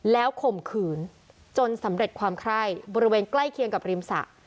แล้วข่มขืนจนสำเร็จความไคร้บริเวณใกล้เคียงกับริมสระ